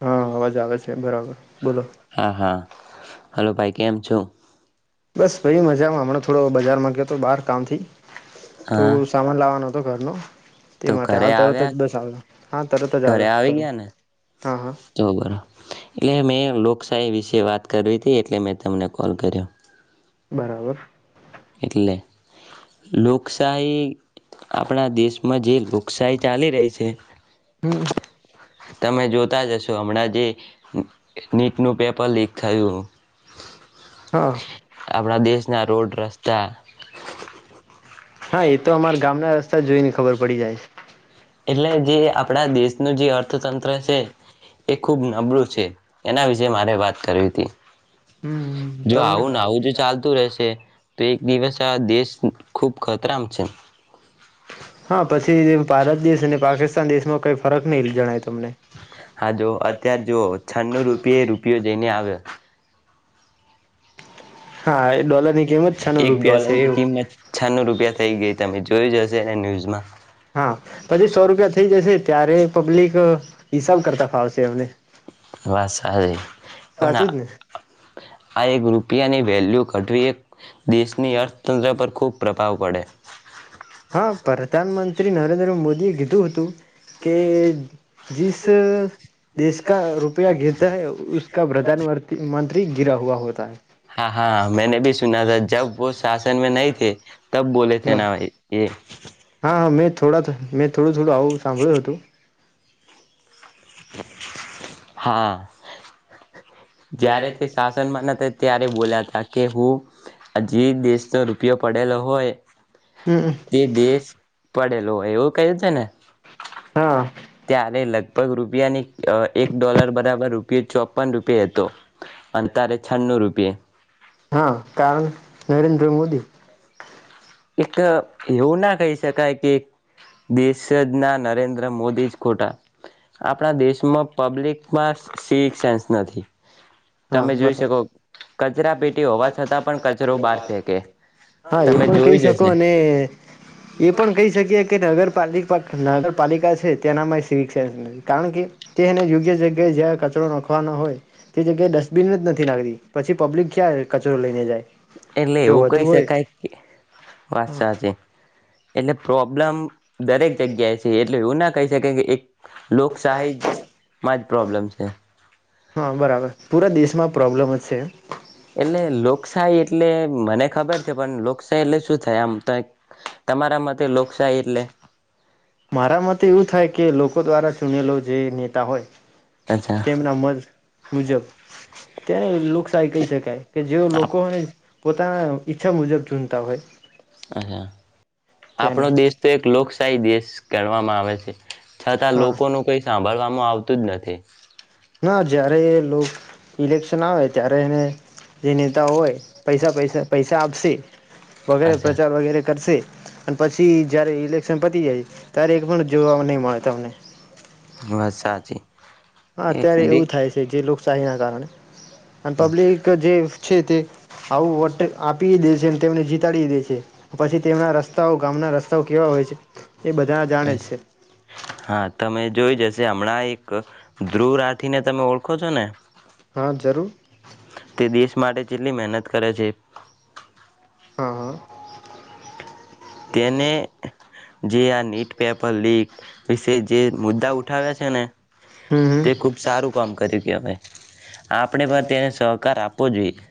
હા અવાજ આવે છે બરાબર બોલો હા હા હલો ભાઈ કેમ છો? બસ ભાઈ મજામાં હમણાં થોડો બજારમાં ગયો હતો બહાર કામ થી હા થોડું સામાન લાવવાનો હતો તો કરનો તે તો માટે ઘરે હાલ તરત જ આવ્યા બસ આવ્યા હા તરત જ ઘરે આવ્યા આવી કરે ગયા ને હા હા તો બરો એટલે મેં લોકશાહી વિશે વાત કરવી હતી એટલે મેં તમને કોલ કર્યો બરાબર એટલે લોકશાહી આપણા દેશમાં જે લોકશાહી ચાલી રહી છે. હમ તમે જોતા જશો હમણાં જે નીટનું પેપર લીક થયું હા આપણા દેશ ના રોડ રસ્તા કતા હા એ તો અમારા ગામના રસ્તા જોઈ ને ખબર પડી જાય છે. એટલે જે આપણા દેશનું જે અર્થ તંત્ર છે. એ ખૂબ નબળું છે્ એના વિશે મારે વાત કરવી હતી જો હમ આવુંને આવું જો ચાલતું રહેશે તો એક દિવસ આ દેશ ખૂબ ખતરામ છે. હા પછી ભારત દેશ અને પાકિસ્તાન દેશમાં કઈ ફરક નહીં જણાય તમને હા જો અતાર જો છન્નું રૂપિયે રૂપિયો જઈને આવેયો હા એ ડોલરની કિંમત છન્નું એક ડોલર રૂપિયા છે ની એવું કિંમત છનું રૂપિયા થઈ ગઈ તમે જોય જ હશે ન્યૂઝમાં હા પછી સો રૂપિયા થઈ જશે ત્યારે પબ્લિક હિસાબ કરતા ફાવશે એમને વાત સ પણ સાચું જ ને આ એક વેલ્યુ કઢવી એક દેશની અર્થતંત્ર પર ખૂબ પ્રભાવ પડે. હા પ્રધાન મંત્રી નરેન્દ્ર મોદી કીધું હતું કે જિસ દેશ કા રૂપિયા ગિરતા હૈ ઉસકા પ્રધાન મંત્રી ગિરા હુવા હોતા હૈ હા હા મેને ભી સુના થા જબ વ શાસન મે નહી થે તબ બોલે થે ના એ હા હા મેં થોડા મેં થોડું થડું આવું સાંભળ્યું હતું હા જયારે તે શાસનમાં ના હતા ત્યારે બોલ્યા હતા કે હું હજી દેશ ન રૂપિયો પડેલો હોય હમ તે દેશ પડ એલો એવું કયું છે ને હા ત્યારે લગભગ રૂપિયાની એક ડોલર બરાબર રૂપિયો ચોપન રૂપિયા હતો અને ત્યારે છન્નું રૂપિયે હા કારણ નરેન્દ્ર મોદી એક એવું ના કહી શકાય કે દેશ જ ના નરેન્દ્ર મોદી જ ખોટા આપણા દેશમાં પબ્લિકમાં સી સેન્સ નથી હા તમે જોઈ બરાબર શકો કચરા પેટી હોવા છતાં પણ કચરો બહાર ફેંકે હા એ તમે પણ કહી જોયું જ હશે શકો અને એ પણ કહી શકી કે નગરપાલિકા નાગર પાલિકા છે તેનામાં શીટ કારણ કે તે યોગ્ય જગ્યાએ કચરો નખવા ના હોય એ જગ્યાએ ડસ્ટબિન જ નથી લખતી પછી પબ્લિક ક્યા કચરો લઈને જાય એટલે જો એવું વધુ કહી હોય શકાય કે વાત સાચી એટલે પ્રોબ્લેમ દરેક જગ્યાએ છે એટલે એવુ ના કહી શક કે એક લોકશાહી જ માં જ પ્રોબ્લેમ છે. હા બરાબર પૂરા દેશમાં પ્રોબ્લેમ છે. એટલે લોકશાહી એટલે મને ખબર છે પણ લોકશા. એટલે શું થાય આમ તો. તમારા મતે લોકશાહી એટલે હી મારા મતે એવું થાય કે લોકો દ્વારા ચૂનેલો જે નેતા હોય અચ્છા તેમના મત મુજબ તેને લોકશાહી કહી શકે કે જે લોકોને પોતાના ઈચ્છા મુજબ જોતા હોય અચ્છા તેને આપણો દેશ તો એક લોક કાઈ દેસ કરવામાં આવે છે છતાં હા લોકોનું કઈ સાંભળવા માં આવતું જ નથી ના જયારે એ લો ઇલેક્શન આવે ત્યારે તેને જે નેતા હોય પૈસા પૈસા પૈસા આપશે વગેરે અચ્છા પ્રચાર વગેરે કરશે અને પછી જયારે ઇલેક્શન પતી જાય તારે એક પણ જોવાવામાં નહી મળે તમને વાત સાચી હા એ અત્યારે દે એવું થાય છે જે લોક ચાયના કારણે અને પબ્લિક જે ઈચ્છે તે આવું વોટ આપી દે છે અને તેમને જીતાડી દે છે પછી તેઓના રસ્તાઓ ગામના રસ્તાઓ કેવા હોય છે એ બધા જાણે છે હા તમે જોઈ જશે હમણાં એક ધ્રુવ રાઠીને તમે ઓળખો છો ને હા જરૂર તે દેશ માટે ચેટલી મહેનત કરે છે હા હા તેને જે આ નીટ પેપર લીક વિશે જે મુદ્દા ઉઠાવ્યા છે ને હમ હમ તે ખુબ સારું કોમ કર્યું કેવાય આપણેે પણ તેને સહકાર આપવો જોઈએ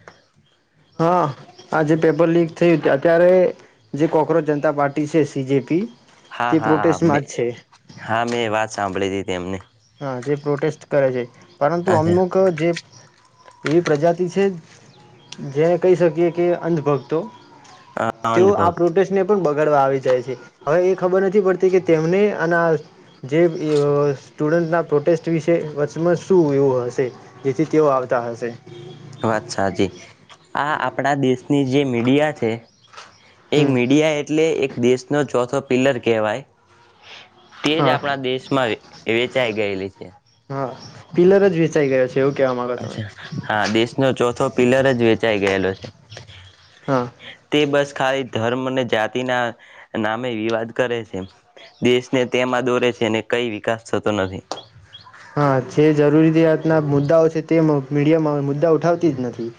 હા આ જે પેપર લીક થયું અત્યારે જે કોકરોજ જનતા પાર્ટી છે છે સી જેે પી હા તે હા હા મે પ્રોટેસ્ટમાં જ છે હા મેં વાત સાંભળીતી તેમની હા જે પ્રોટેસ્ટ કરે છે પરંતુ અમુક અચ્છા જે એવી પ્રજાતિ છે જેને કહી શકીએ કે અંધ ભક્તો તેઓ આ અંધભક્ત પ્રોટેસને પણ બગાડવા આવી જાય છે હવે એ ખબર નથી પડતી કે તેમને અને આજે એવોસ સ્ટુડન્ટના પ્રોટેસ્ટ વિશે શું એવું હશે જેથી તેઓ આવતા હશે વાત સાચી આ આપણા દેશની જે મીડિયા છે એ હમ મીડિયા એટલે એક દેશનો ચોથો પિલ્લર કહેવાય. તેજ હા આપણા દેશમાં વેચાઈ ગયેલી છે. હા પિલર જ વેચાઈ ગયો છે એવું કહેવા માંગો તમે અચ્છા. હા દેશનો ચોથો પિલર જ વેચાઈ ગયેલો છે. હા તે બસ ખાલી ધર્મને જા જાતી ના નામે વિવાદ કરે છે. દેશ ને તેમાં દોરે છે ને કઈ વિકાસ થતો નથી. હા છે જરૂરીયાતના મુદ્દાઓ છે તે મ-મીડિયામાં મુદ્દા ઉઠાવતી જ નથી.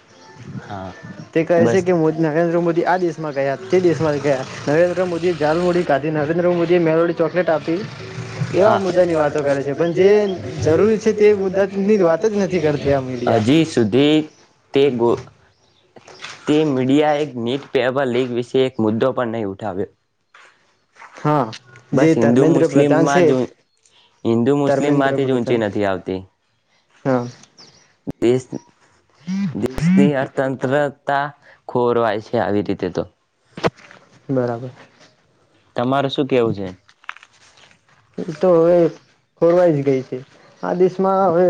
હા તે કહે છે બસ કે મો નરેન્દ્ર મોદી આ દેશમાં ગયા, તે દેશમાં ગયા. નરેન્દ્ર મોદીએ જાલમોડી કાધી, નરેન્દ્ર મોદીએ મેલોડી ચોકલેટ આપી, એવા મુદ્દાની વાતો કરે છે. પણ જે જરૂરી છે તે મુદ્દાની વાત જ નથી કરતી આ મીડિયા હજી સુધી તે ગો તે મીડિયા એક નીત પેપર લીક વિશે એક મુદ્દો પણ નહી ઉઠાવ્યો હા જે બસ હિન્દુ ધર્મેન્દ્ર પ્રધાન મુસ્લિમમાં છે જ હિન્દુ મુસ્લિમ ધર્મેન્દ્ર માંથી જ પ્રધાન ઊંચી નથી આવતી. હા દેશ, દેશની અર્થ તંત્રતા ખોરવાય છે આવી રીતે તો. બરાબર. તમારો શું કેવું છે? એ તો હવે ખોરવાઈ જ ગઈ છે. આ દેશમાં હવે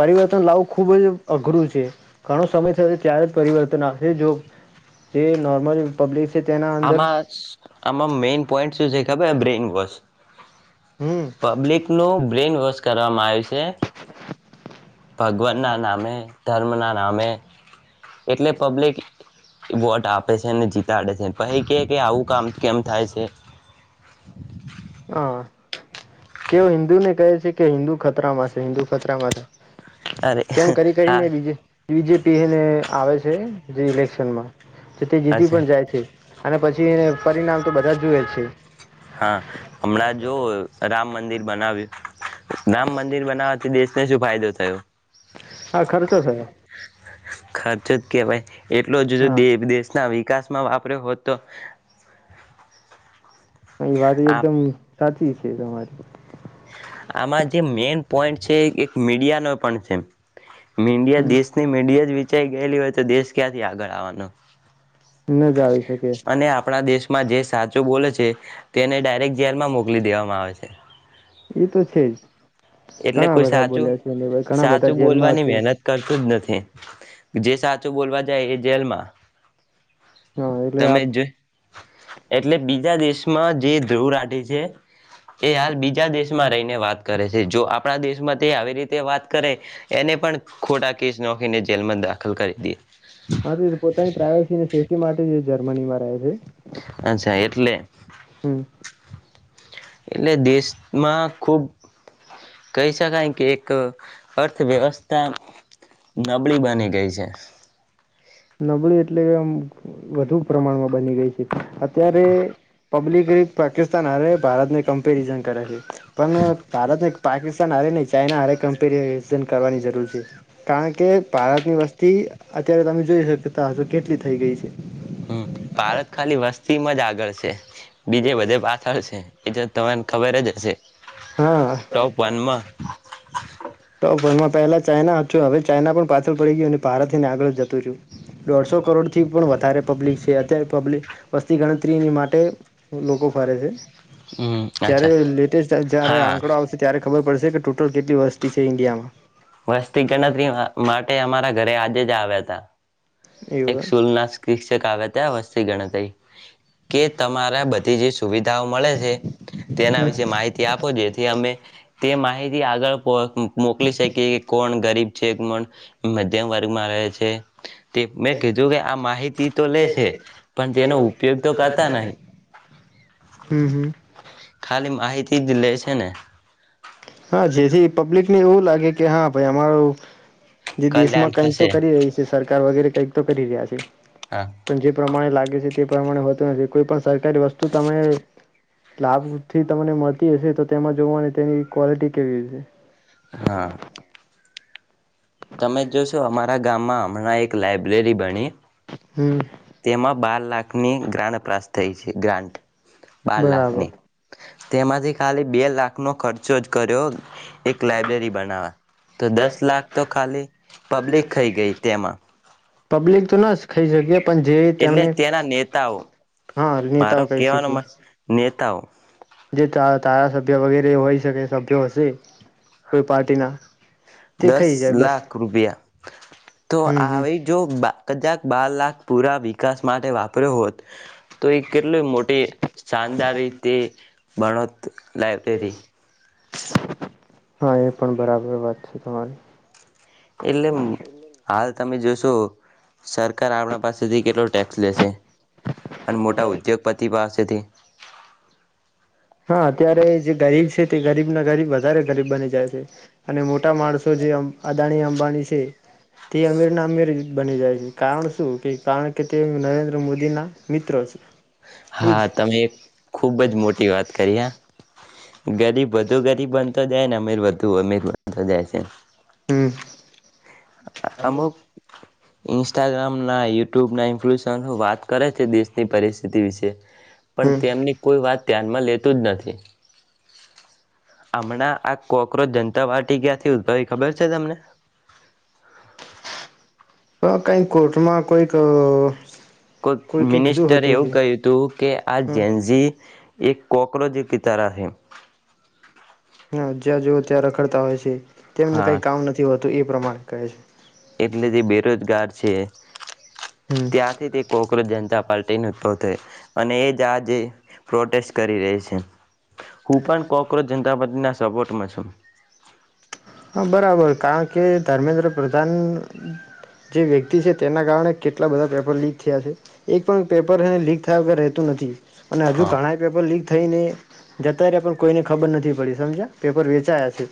પરિવર્તન લાવું ખુબ જ અઘરું છે. ઘણો સમય થયો છે ત્યારે જ પરિવર્તન આવશે જો જે નોર્મલ પબ્લિક છે તેના અંદર આમાં આમાં મેન પોઈન્ટ શું છે થબ્બે બ્રેન વોશ હમ પબ્લિકનો બ્રેન વોશ કરવામાં આવ છે. ભગવાનના નામે ધર્મના નામે એટલે પબ્લિક વોટ આપે છે ને જીતા તાડે છે પહી કે કે આવું કામ કેમ થાય છે. હા. તેઓ હિન્દુને કહે છે કે હિન્દુ ખતરામાં છે હિન્દુ ખતરામાં છે. અરે કેમ કરી હા કરીને બીજે બીજેપી એને આવે છે, જે ઇલેક્શનમાં તો તે જીતી અચ્છા પણ જાય છે અને પછી એને પરિણામ તો બધા જુએ છે. હા હમણાં જો રા રામ મંદિર બનાવ્યું રામ મંદિર બનાવાથી દેશ ને શું ફાયદો થયો. હા ખર્ચો થયો [inaudible] ખર્ચત કેવાય એટલો જ જો હા દેશ ના વિકાસમાં વાપર્યો હો, હતો એ વાત એકદમ સાચી. [unintelligible] આમાં જે મેન પોઈન્ટ છે, એક મીડિયા નો પણ છે. મીડિયા હમ દેશની મીડિયા વિ ચાઈ ગયેલી હોય, તો દેશ ક્યાંથી આગળ આવવાનો. ન જ આવી શકે અને આપણા દેશમાં જે. સાચું બોલે છે, તેને ડાયરેક્ટ જેલમાં મોકલી દેવામાં આવે છે. એ તો છે જ એટલે ઘણા કોઈ બધા સાચું બોલ્યા છે ને ઘણા બધા સાચું જેલમાં બોલવાની છે મહેનત કરતું જ નથી. જે સાચું બોલવા જાય એ જેલમાં. હા એટલે તમે આપ જો એટલે બીજા દેશ જે ધ્રુવ રાઠી છે, એ હાલ બીજા દેશમાં રહીને વાત કરે છે, જો આપણા દેશમાં તે આવી રીતે વાત કરે એને પણ ખોટા કેસ નોખીને જેલમાં દાખલ કરી દેએ. હા પોતા પ્રાયવેસી અચ્છા એટલે [inaudible] હમ એટલે દેશમાં ખુબ કહી શકાય કે એક અર્થવ્યવસ્થા નબળી બની ગઈ છે. નબળી એટલે કે વધુ પ્રમાણમાં બની ગઈ છે. અત્યારે પબ્લિક ભારત ને કમ્પેરિજન કરેલી પણ ભારત પાકિસ્તાન હરે નહી, ચાાઈના હરે કંપેરી ન કરવાની જરૂર છે. કારણ કે ભારતની વસ્તી અત્યારે તમે જોઈ શકતા કેટલી થઈ ગઈ છે. હમ ભારત ખાલી વસ્તીમાં જ આગળ છે બીજે બધે પાછળ છે એ તને ખબર જ હશે હા ટોપ વનમાં તોપ વનમાં પહેલા ચાાઈના છું હવે ચાાઈના પણ પાછળ પડી ગયો અને ભાર ને આગળ જતું રહયું. દોઢસો કરોડ થી પણ વધારે પબ્લિક છે અત્યારે પબ્લિક વસ્તી ગણતરીની માટે લોકો ફરે છે હમ જ્યારે અચ્છા લેટેસ્ટ જારે હા આંકડો આવશે ત્યારે ખબર પડશે કે ટોટલ કેટલી વસ્તી છે ઈન્ડિયામાં વસ્તિક ગણતરી માટે અમારે ઘરે આજે જ આવ્યા હતા. એક એવું સ્કૂલ ના શિક્ષક આવે ત્યાં વસ્તી ગણતરી કે તમારા બધી જે સુવિધાઓ મળે છે તેના વિશે માહિતી આપો જેથી અમે તે માહિતી આગળ મોકલી શકીએ કે કોણ ગરીબ છે મણ મધ્યમ વર્ગમાં રહે છે. મેં કીધું કે આ માહિતી તો લે છે પણ તેનો ઉપયોગ તો કરતા નહી હમ હમ ખાલી માહિતી જ લે છે ને હા જેથી પબ્લિક ને એવું લાગે કે હા ભાઈ અમારું જે કલ્યાણ દેશમાં કઈક તો થશે કરી રહી છે સરકાર વગેરે કઇક તો કરી રહ્યા છે હા પણ જે પ્રમાણે લાગે છે. તે પ્રમાણે હોતું નથી કોઈ પણ સરકારી વસ્તુ તમે લાભથી તમને મળતી હશે તો તેમજ જોવામાં તેં ક્વલિટી કેવી છે. હા તમે જોશો અમારા ગામમાં હમણાં એક લાાઈબ્રેરી બની હમ તેમાં બાર લાખ ની ગ્રાન અપરાશ થઈ છે ગ્રાન્ટ બાર બરાબર લાખનીને તેમાંથી ખાલી બે લાખનો ખર્ચો જ કર્યો એક લાયબ્રેરી બનાવા તો દસ લાખ તો ખાલી પબ્લિક ખઇ ગઈ તેમાં પબ્લિક તો ના ખાઈ શકીએ પણ જે એટલે તેમને તેના નેતાઓ હા મારો નેતાઓ કહી કહેવાનો શીખી નેતાઓ જે ધારાસભ્ય વગેરે હોય શકે સભ્ય હશે કોઈ પાર્ટીના તે દસ ખાઈ જાય બસ લાખ રૂપિયા તો હમ હમ આવી જો કજાક બાર લાખ પૂરા વિકાસ માટે વાપર્યો હોત તો એ કેટલી મોટી શાનદાર રીતે ભારત લાયબ્રેરી હા એ પણ બરાબર વાત છે તમારી એટલે આ, તમે જોશો, સરકાર આપણા પાસેથી કેટલો ટેક્સ લેશે અને મોટા ઉદ્યોગપતિ પાસેથી. હા અત્યારે જે ગરીબ છે તે ગરીબ ના ગરીબ વધારે બની જાય છે, અને મોટા માણસો જે અદાણી અંબાણી છે, તે અમીર ના અમીર બની જાય છે, કારણ શું કે કારણ કે તે નરેન્દ્ર મોદી ના મિત્ર છે એજ, હા તમે એક ખૂબ જ મોટી વાત કરી આ, ગરીબ વધુ ગરીબ બનતો, જાય ને અમીર વધુ અમીર જાય છે. હમ [inaudible] આમ, ઇન્સ્ટાગ્રામ ના યુટ્યુબ ના ઇન્ફલશન વાત કરે છે દેશની પરિસ્થિતિ વિશે પણ હમ તેમની કોઈ વાત. ધ્યાનમાં લેતું જ નથી. હમણાં આ કોક્રોચ જનતા પાર્ટી ક્યાંથી ઉદભવી ખબર છે તમને, હ કઈક કોટમાં કોઈક. કોઇક કોઈકે કીધું મિનિસ્ટરે હતું એવું કે કહ્યું હતું કે આ જેન હ ઝી એક કોકરોચ એક ક તારા હે. હા જ્યાં જુઓ ત્યાં રખડતા હોય છે. તેમને હા કઈ કામ નથી હોત તો એ પ્રમાણે કહે છે. એટલે જે બેરોજગાર છે હમ ત્યાંથી તે કોકરોજ જનતા પાર્ ઉભવ થાય અને એ જ આજે પ્રોટેસ્ટ કરી રહી છે. હું પણ કોક્રોચ જંતપતિ ના સપોર્ટ ટમાશું. હા બરાબર કારણ કે ધર્મેન્દ્ર પ્રધાન જે વ્યક્તિ છે તેના કારણે કેટલા બધા પેપર લીક થયા છે. એક પણ પેપર લીક થયા વગર રહેતું નથી અને હજુ હા ઘણાય પેપર લીક થઈને જતા રહ્યા પણ કોઈને ખબર નથી પડી સમજ્યા પેપર વેચાયા છે.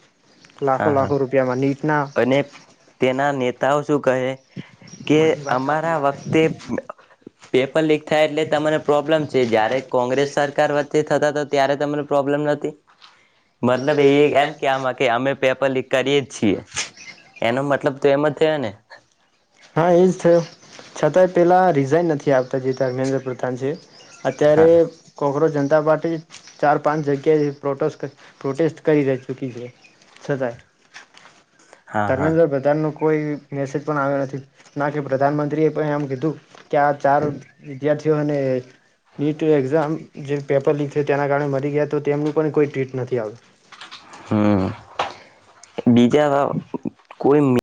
લાખો હા લાખ રપિયા મની અને તેના નેતાઓ શું કહે કે અમારા વખતે પેપર લીક થાય એટલે તમને પ્રોબ્લેમ છે જયારે કોંગ્રેસ સરકાર વચ્ચે થતા ત્યારે તમને પ્રોબ્લેમ નથી મતલબ એ એમ કેવામાં કે અમે પેપર લીક કરીએ છી. ને હા એ જ થયો છતાંય પહેલાં રિઝાઇન નથી આપ તો જે ધર્મેન્દ્ર પ્રધાન છે [unintelligible] અત્યારે હા કોકરોજ જનતા પાર્ટી ચાર પાંચ જગ્યા પ્રોટેસ્ટ પ્રોટેસ્ટ કરી રહી ચુકી છે છતાં હા હા ધર્મેન્દ્ર પ્રધાનનો કોઈ મેસેજ પણ આવ્યો નથી ના કે પ્રધાનમંત્રીએ પણ એમ કીધું કે આ ચાર વિદ્યાર્થીઓને નીટ એક્ઝામ જે પેપર લીક થયુ તેના કારણે મરી ગયા તો તેમનું પણ કોઈ ટ્વીટ નથી આવ હમ બીજા કોઈ